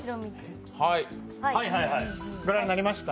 ご覧になれました？